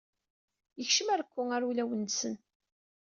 Yekcem rekku ar ulawen-nwen.